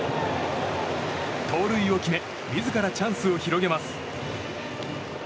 盗塁を決め自らチャンスを広げます。